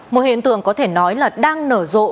một hiện tượng có thể nói là đang nở rộ